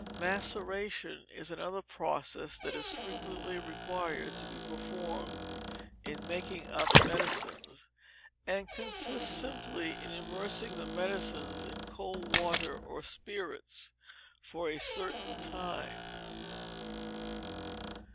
Maceration is another process that is frequently required to be performed in making up medicines, and consists simply in immersing the medicines in cold water or spirits for a certain time.